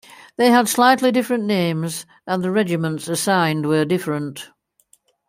They had slightly different names and the regiments assigned were different.